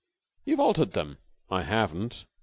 "You've altered them." "I haven't."